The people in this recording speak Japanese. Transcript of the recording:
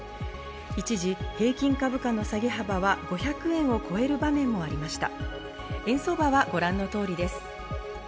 一時、平均株価の下げ幅は５００円を超える場面もありました。